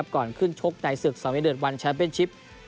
ก่อนขึ้นชกในศึกสำริเดชวันแชมป์เป็นชิป